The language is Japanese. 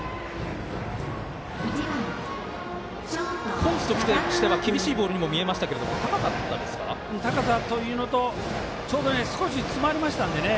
コースとしては厳しいボールにも見えましたけども高さというのとちょうど、少し詰まりました。